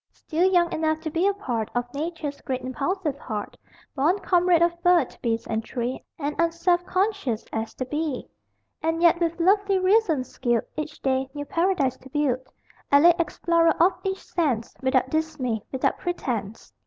Still young enough to be a part Of Nature's great impulsive heart, Born comrade of bird, beast and tree And unselfconscious as the bee And yet with lovely reason skilled Each day new paradise to build; Elate explorer of each sense, Without dismay, without pretence!